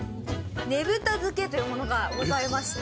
ねぶた漬けというものがございまして。